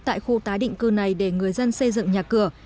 tại khu tái định cư này để người dân xây dựng nhà cửa